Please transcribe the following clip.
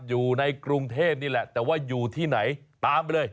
อยู่ในกรุงเทพนี่แหละแต่ว่าอยู่ที่ไหนตามไปเลย